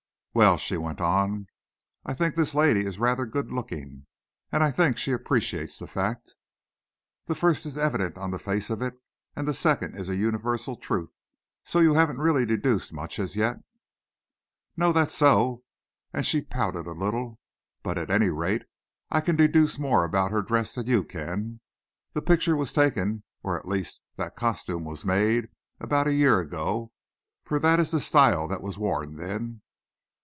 "Well," she went on, "I think this lady is rather good looking, and I think she appreciates the fact." "The first is evident on the face of it, and the second is a universal truth, so you haven't really deduced much as yet." "No, that's so," and she pouted a little. "But at any rate, I can deduce more about her dress than you can. The picture was taken, or at least that costume was made, about a year ago, for that is the style that was worn then."